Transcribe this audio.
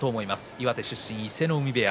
岩手出身、伊勢ノ海部屋